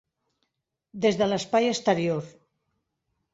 Des de l'Espai exterior.